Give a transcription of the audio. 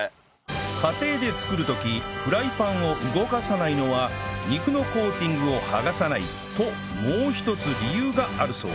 家庭で作る時フライパンを動かさないのは「肉のコーティングをはがさない」ともう一つ理由があるそう。